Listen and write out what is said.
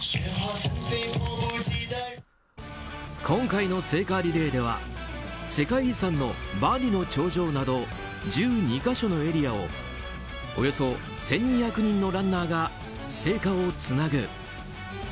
今回の聖火リレーでは世界遺産の万里の長城など１２か所のエリアをおよそ１２００人のランナーが聖火をつなぐ。